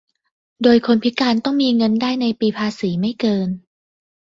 โดยคนพิการต้องมีเงินได้ในปีภาษีไม่เกิน